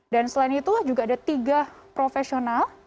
dan selain itu juga ada tiga profesional